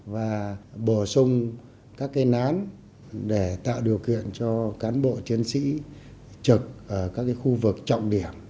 và bổ sung các nán để tạo điều kiện cho cán bộ chiến sĩ trực ở các khu vực trọng điểm